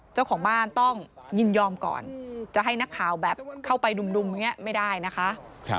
เจ้าของบ้านต้องยินยอมก่อนจะให้นักข่าวแบบเข้าไปดุ่มอย่างนี้ไม่ได้นะคะ